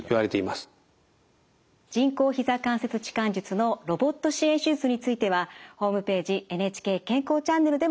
人工ひざ関節置換術のロボット支援手術についてはホームページ「ＮＨＫ健康チャンネル」でもご覧いただけます。